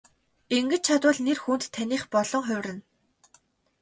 Ингэж чадвал нэр хүнд таных болон хувирна.